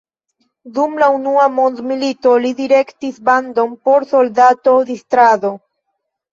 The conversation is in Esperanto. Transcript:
Dum la Unua Mondmilito li direktis bandon por soldato-distrado.